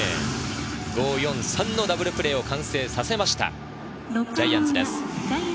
５−４−３のダブルプレーを完成させましたジャイアンツです。